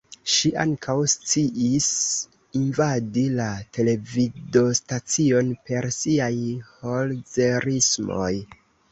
Ŝi ankaŭ sciis invadi la televidostacion per siaj "'Holzerismoj"'.